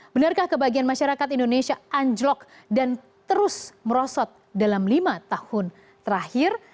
benarkah kebahagiaan masyarakat indonesia anjlok dan terus merosot dalam lima tahun terakhir